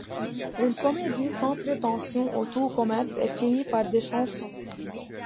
Une comédie sans prétention où tout commence et finit par des chansons.